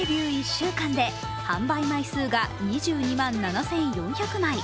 １週間で、販売枚数が２２万７４００枚。